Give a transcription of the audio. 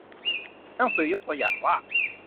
หนังสือยกตัวอย่างว่า